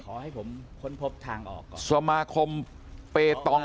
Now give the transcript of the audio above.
ขอให้ผมค้นพบทางออกก่อน